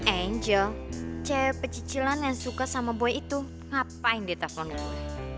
angel cewek pecicilan yang suka sama boy itu ngapain dia telepon gue